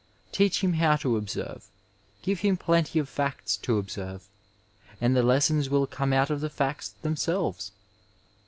Teach him how to observe, give him plenty of facts to observe, and the lessons will come out of the facts themselves.